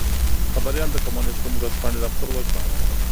خبریال د کمونېست ګوند ورځپاڼې راپور وژباړه.